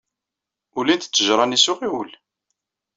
Ulint ttejṛa-nni s uɣiwel.